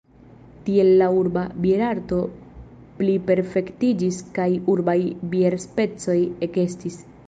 Tiel la urba bierarto pliperfektiĝis kaj urbaj bierspecoj ekestis.